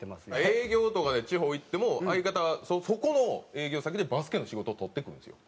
営業とかで地方行っても相方はそこの営業先でバスケの仕事を取ってくるんですよ。